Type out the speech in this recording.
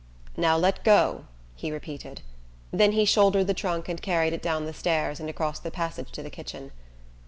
"Now let go," he repeated; then he shouldered the trunk and carried it down the stairs and across the passage to the kitchen.